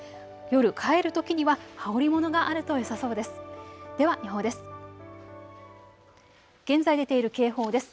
夜帰るときには羽織りものがあるとよさそうです。